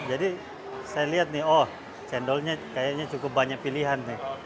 jadi saya lihat nih oh cendolnya kayaknya cukup banyak pilihan nih